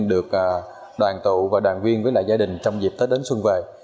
được đoàn tụ và đoàn viên với gia đình trong dịp tết đến xuân về